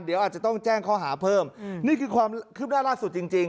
เดี๋ยวอาจจะต้องแจ้งข้อหาเพิ่มนี่คือความคืบหน้าล่าสุดจริงจริง